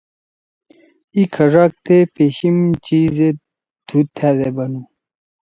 اِی کھڙاکتے پیشیِم چیِش زید دُھود تھأدے بنَدُو: